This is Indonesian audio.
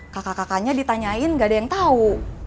kakak kakaknya ditanyain gak ada yang tahu